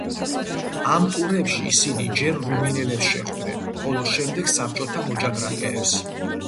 ამ ტურებში ისინი ჯერ რუმინელებს შეხვდნენ, ხოლო შემდეგ საბჭოთა მოჭდრაკეებს.